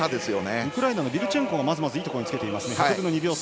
ウクライナのビルチェンコいいところにつけている。